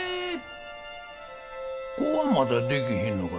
子はまだできひんのか？